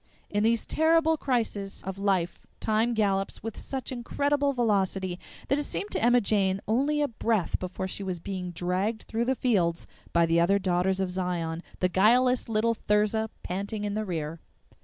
In these terrible crises of life time gallops with such incredible velocity that it seemed to Emma Jane only a breath before she was being dragged through the fields by the other Daughters of Zion, the guileless little Thirza panting in the rear.